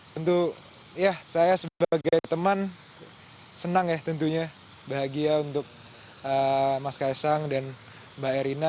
tentu ya saya sebagai teman senang ya tentunya bahagia untuk mas kaisang dan mbak erina